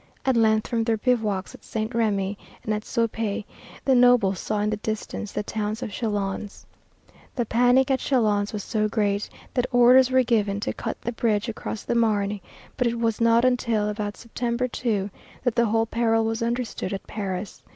At length from their bivouacs at Saint Remy and at Suippes the nobles saw in the distance the towers of Châlons. The panic at Châlons was so great that orders were given to cut the bridge across the Marne, but it was not until about September 2, that the whole peril was understood at Paris.